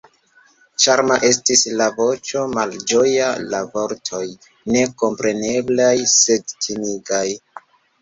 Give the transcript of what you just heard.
Ĉarma estis la voĉo, malĝojaj la vortoj, nekompreneblaj sed timigaj.